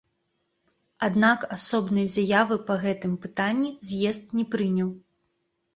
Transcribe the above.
Аднак асобнай заявы па гэтым пытанні з'езд не прыняў.